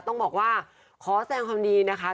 ต้องบอกว่าขอแสงความดีนะคะ